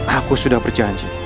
aku sudah berjanji